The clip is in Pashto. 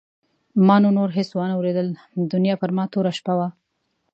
ما نو نور هېڅ وانه ورېدل دنیا پر ما توره شپه شوه.